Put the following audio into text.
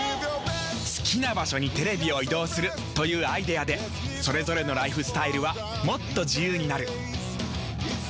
好きな場所にテレビを移動するというアイデアでそれぞれのライフスタイルはもっと自由になる。